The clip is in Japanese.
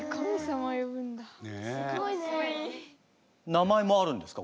名前もあるんですか？